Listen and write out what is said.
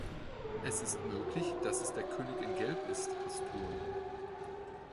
Es ist möglich, dass es der König in Gelb ist, Hastur.